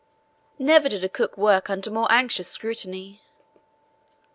Never did a cook work under more anxious scrutiny.